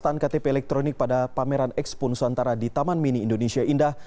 pembangunan ktp elektronik pada pameran eksponus antara di taman mini indonesia indah